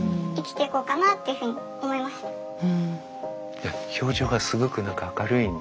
いや表情がすごく何か明るいなと。